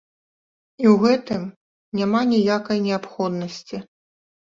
І ў гэтым няма ніякай неабходнасці.